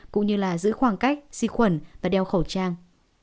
cũng như giữ khoảng cách si khuẩn và đeo khẩu trang